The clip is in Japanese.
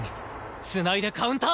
繋いでカウンター！